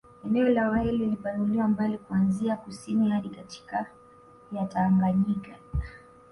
Eneo la Wahehe lilipanuliwa mbali kuanzia kusini hadi katikati ya Tangayika